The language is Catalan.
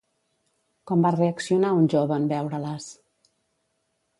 Com va reaccionar un jove en veure-les?